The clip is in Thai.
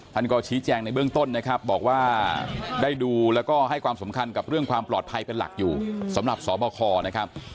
ท่านก็ชี้แจงในเบื้องต้นนะครับบอกว่าได้ดูแล้วก็ให้ความสำคัญกับเรื่องความปลอดภัยเป็นหลักอยู่สำหรับสบคนะครับ